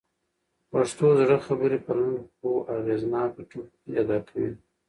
پښتو د زړه خبرې په لنډو خو اغېزناکو ټکو کي ادا کوي.